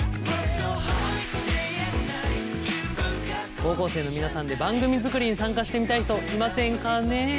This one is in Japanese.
高校生の皆さんで番組作りに参加してみたい人いませんかねえ？